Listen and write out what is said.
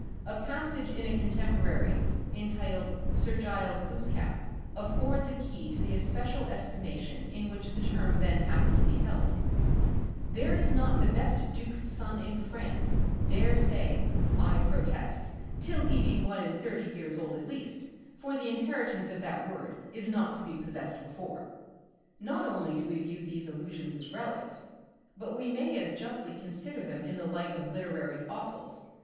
A passage in a contemporary, entitled 'Sir Giles Goosecap,' affords a key to the especial estimation in which the term then happened to be held: "There is not the best duke's son in France dares say I protest till he be one and thirty years old at least, for the inheritance of that word is not to be possessed before." Not only do we view these allusions as relics, but we may as justly consider them in the light of literary fossils.